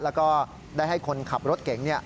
แล้วก็ได้ให้คนขับรถเก่ง